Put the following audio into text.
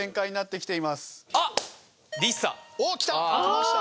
きました。